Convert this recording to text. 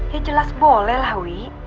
ya jelas boleh lah wi